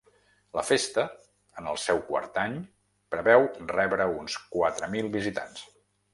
La festa, en el seu quart any, preveu rebre uns quatre mil visitants.